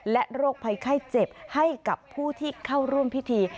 และโรคภัยไข้เจ็บให้กับผู้ที่เข้าร่วมพิธี